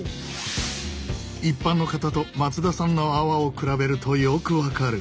一般の方と松田さんの泡を比べるとよく分かる。